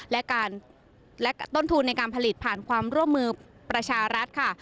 และต้นทุนในการผลิตผ่านความร่วมมือประชารัฐค่ะ